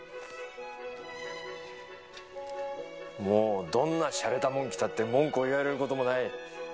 もうどんなシャレたもんを着たって文句を言われることもない。